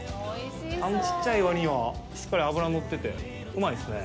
あれ、ちっちゃい割にはしっかり脂がのってて、うまいですね。